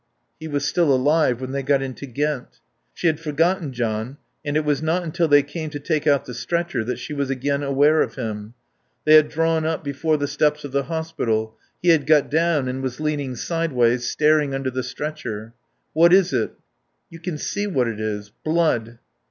He was still alive when they got into Ghent. She had forgotten John and it was not until they came to take out the stretcher that she was again aware of him. They had drawn up before the steps of the hospital; he had got down and was leaning sideways, staring under the stretcher. "What is it?" "You can see what it is. Blood."